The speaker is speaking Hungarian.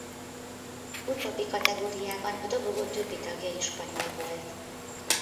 Utóbbi kategóriában a dobogó többi tagja is spanyol volt.